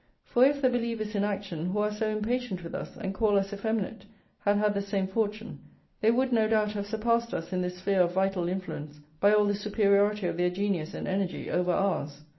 For if the believers in action, who are so impatient with us and call us effeminate, had had the same fortune, they would, no doubt, have surpassed us in this sphere of vital influence by all the superiority of their genius and energy over ours.